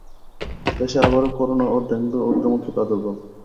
দেশে আবারও করোনা ও ডেঙ্গুর ঊর্ধ্বমুখী প্রাদুর্ভাব।